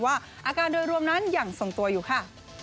ว่าอาการโดยรวมนั้นอย่างส่วนตัวยังอยู่ค่ะ